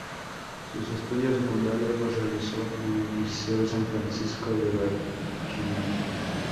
Sus estudios secundarios los realizó en el Liceo San Francisco de Vallenar.